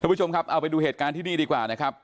ผู้ชมครับเอาไปดูเหตุการณ์ที่นี่ดีกว่านะครับ